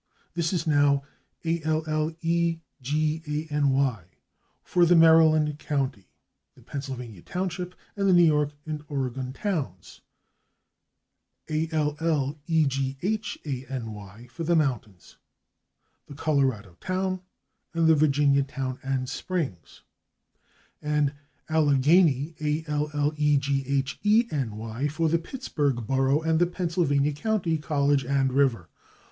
This is now /Allegany/ for the Maryland county, the Pennsylvania township and the New York and Oregon towns, /Alleghany/ for the mountains, the Colorado town and the Virginia town and springs, and /Allegheny/ for the Pittsburgh borough and the Pennsylvania county, college and river.